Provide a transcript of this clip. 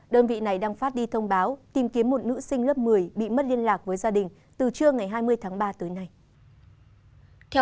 đơn vị này đang phát đi thông báo tìm kiếm một nữ sinh lớp một mươi bị mất liên lạc với gia đình từ trưa ngày hai mươi tháng ba tới nay